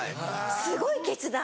すごい決断！